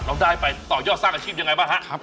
เราได้ไปต่อยอดสร้างอาชีพอย่างไรบ้างครับ